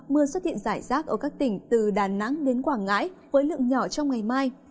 mưa xuất hiện rải rác ở các tỉnh từ đà nẵng đến quảng ngãi với lượng nhỏ trong ngày mai